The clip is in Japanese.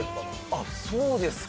あっ、そうですか。